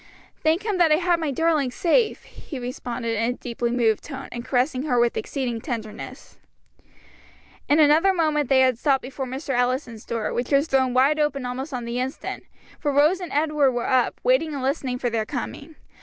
"Thank Him that I have my darling safe." he responded in a deeply moved tone, and caressing her with exceeding tenderness. In another moment they had stopped before Mr. Allison's door, which was thrown wide open almost on the instant; for Rose and Edward were up, waiting and listening for their coming.